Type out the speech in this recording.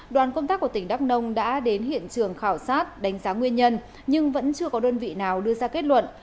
đoàn công tác của tỉnh đắk nông đã đến hiện trường khảo sát đánh giá nguyên nhân nhưng vẫn chưa có đơn vị nào đưa ra kết luận